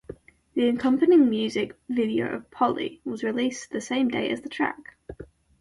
The accompanying music video of "Polly" was released the same day as the track.